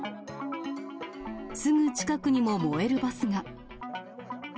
すぐ近くにも燃えるバスが。